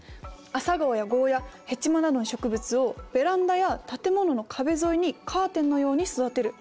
アサガオやゴーヤヘチマなどの植物をベランダや建物の壁沿いにカーテンのように育てる。